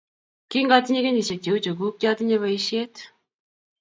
Kingatinye kenyishiek cheu cheguuk, kyatinye boisiet